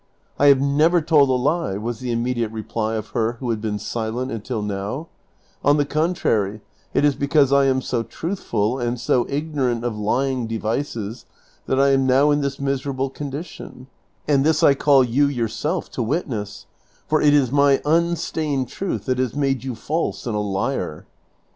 " I have never told a lie," was the immediate reply of lier who had been silent until now ; "on the contrary, it is because I am so truthful and so ignorant of lying devices that I am now in this miserable condition ; and this I call you yourself to witness, for it is my unstained truth that has made you false and a liar."